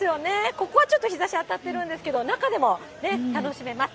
ここはちょっと日ざし当たってるんですけど、中でもね、楽しめます。